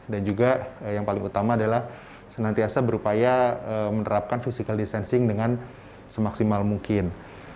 dan juga yang paling utama adalah senantiasa berupaya menerapkan physical distancing dengan semaksimal mungkin